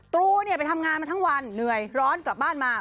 ตรูเนี่ยไปทำงานมาทั้งวันเหนื่อยร้อนกลับบ้านมา